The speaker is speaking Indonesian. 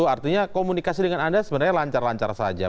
artinya komunikasi dengan anda sebenarnya lancar lancar saja